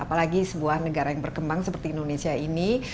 apalagi sebuah negara yang berkembang seperti indonesia ini